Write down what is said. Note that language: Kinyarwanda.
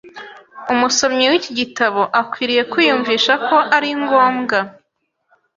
Umusomyi w’iki gitabo akwiriye kwiyumvisha KO ARI NGOMBWA